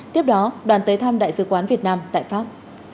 tiếp đó đoàn tới thăm đại sứ quán việt nam tại pháp